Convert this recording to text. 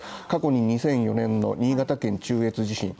過去に２００４年の新潟県中越地震